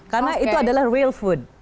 karena itu adalah real food